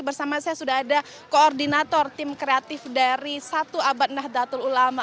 bersama saya sudah ada koordinator tim kreatif dari satu abad nahdlatul ulama